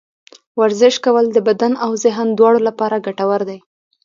ورزش کول د بدن او ذهن دواړه لپاره ګټور دي.